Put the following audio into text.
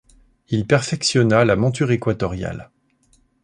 Il perfectionna la monture équatoriale.